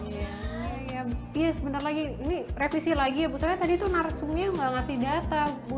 ya ya ya biar sebentar lagi ini revisi lagi ya bu soalnya tadi tuh narasumnya nggak ngasih data bu